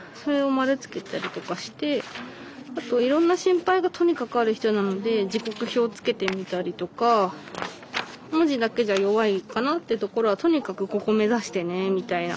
あといろんな心配がとにかくある人なので時刻表つけてみたりとか文字だけじゃ弱いかなってところはとにかくここ目指してねみたいな。